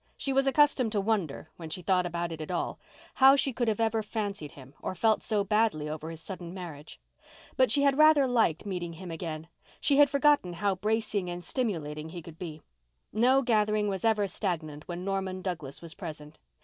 She was accustomed to wonder, when she thought about it at all, how she could ever have fancied him or felt so badly over his sudden marriage. But she had rather liked meeting him again. She had forgotten how bracing and stimulating he could be. No gathering was ever stagnant when Norman Douglas was present.